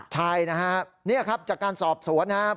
ใช่นะฮะนี่ครับจากการสอบสวนนะครับ